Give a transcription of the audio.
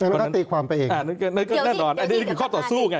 ก็น่าตีความไปเองเหนือนี่แน่นอนอันนี้ก็คือข้อสู้ไง